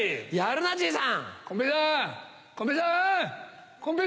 やるなじいさん。